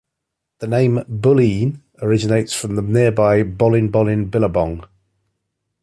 The name "Bulleen" originates from the nearby Bolin Bolin Billabong.